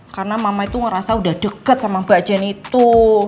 karena mama itu ngerasa udah deket sama mbak jen itu